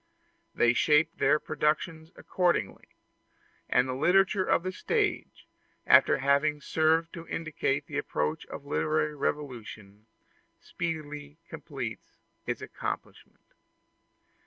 They shape their productions accordingly; and the literature of the stage, after having served to indicate the approaching literary revolution, speedily completes its accomplishment.